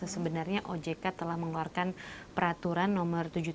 sebenarnya ojk telah mengeluarkan peraturan nomor tujuh puluh tujuh